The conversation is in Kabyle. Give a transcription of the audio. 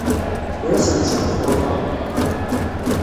Ur asent-sṭebṭubeɣ.